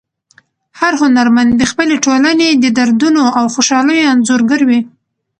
هر هنرمند د خپلې ټولنې د دردونو او خوشحالیو انځورګر وي.